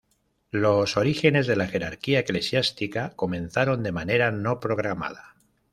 Los orígenes de la jerarquía eclesiástica comenzaron de manera no programada.